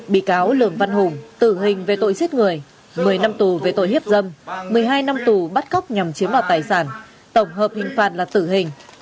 bị cáo lường văn hùng tử hình về tội giết người một mươi năm tù về tội hiếp dâm một mươi hai năm tù bắt cóc nhằm chiếm đoạt tài sản tổng hợp hình phạt là tử hình